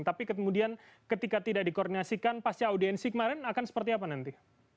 tapi kemudian ketika tidak dikoordinasikan pasca audiensi kemarin akan seperti apa nanti